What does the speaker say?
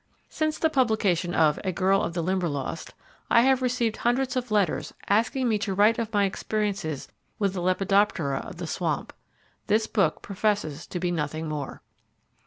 Since the publication of "A Girl of the Limberlost", I have received hundreds of letters asking me to write of my experiences with the lepidoptera of the swamp. This book professes to be nothing more.